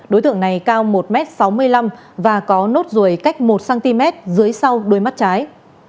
đối tượng này cao một m sáu mươi năm và có nốt ruồi cách một cm dưới sau đuôi mắt trái